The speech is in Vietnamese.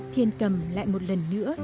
thiên cầm lại một lần nữa